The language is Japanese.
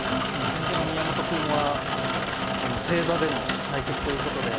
先手の宮本くんは正座での対局ということで。